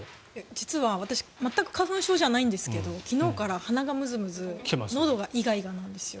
実は私全く花粉症じゃないんですけど昨日から鼻がムズムズのどがイガイガなんですよ。